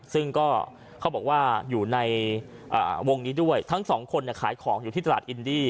ซึ่งก็เขาบอกว่าอยู่ในวงนี้ด้วยทั้งสองคนขายของอยู่ที่ตลาดอินดี้